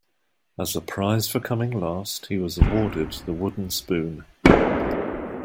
As a prize for coming last, he was awarded the wooden spoon.